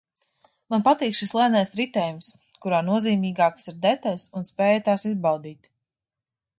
Man patīk šis lēnais ritējums, kurā nozīmīgākas ir detaļas un spēja tās izbaudīt